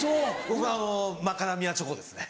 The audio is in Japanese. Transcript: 僕あのマカダミアチョコですね。